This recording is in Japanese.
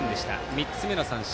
３つ目の三振。